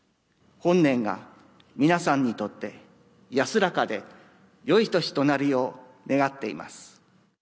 本年が皆さんにとって安らかでよい年となるよう、願っています。